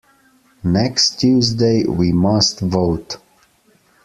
Next Tuesday we must vote.